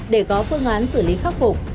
để có phương án xử lý khắc phục